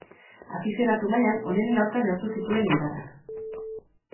Afizionatu mailan, onenen aurka neurtu zituen indarrak.